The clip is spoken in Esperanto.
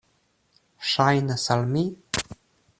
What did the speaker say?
Ŝajnas al mi.